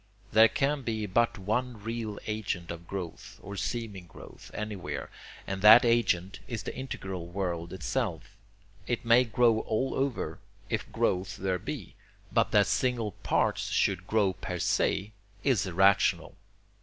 There can be but one real agent of growth, or seeming growth, anywhere, and that agent is the integral world itself. It may grow all over, if growth there be, but that single parts should grow per se is irrational.